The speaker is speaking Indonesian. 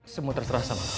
semua terserah sama kamu